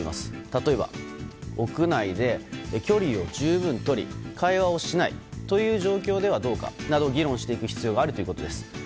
例えば、屋内で、距離を十分とり会話をしないという状況ではどうか、など議論していく必要があるということです。